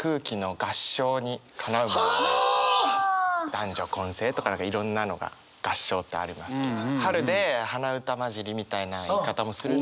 男女混声とかいろんなのが合唱ってありますけど春で鼻歌交じりみたいな言い方もするので。